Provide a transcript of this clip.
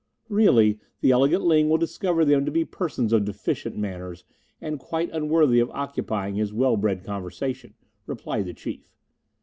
"Really, the elegant Ling will discover them to be persons of deficient manners, and quite unworthy of occupying his well bred conversation," replied the Chief.